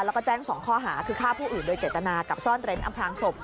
แล้วก็แจ้ง๒ข้อหาคือฆ่าผู้อื่นโดยเจตนากับซ่อนเร้นอำพลางศพ